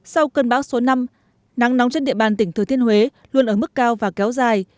sau cơn bão số năm nắng nóng trên địa bàn tỉnh thừa thiên huế luôn ở mức cao và kéo dài